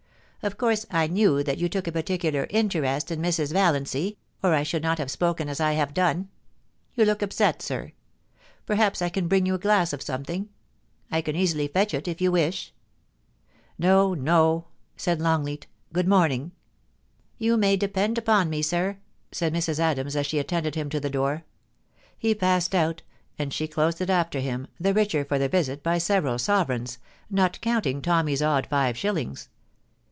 Of course I knew that you took a particular interest in Mrs. Valiancy, or I should not have spoken as I have done. You look upset, sir. Perhaps I can bring you a glass of something. I can easily fetch it, if you wish.' * No — no,' said Longleat * Good moming.' * You may depend upon me, sir,' said Mrs. Adams, as she attended him to the door. He passed out, and she closed it after him, the richer for the visit by several sovereigns, not counting Tomm)r's odd ^y^ shillings.